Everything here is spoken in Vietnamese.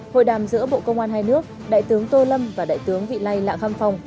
hội đàm giữa bộ công an hai nước đại tướng tô lâm và đại tướng vị lây lạng ham phong